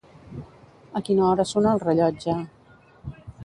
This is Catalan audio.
A quina hora sonà el rellotge?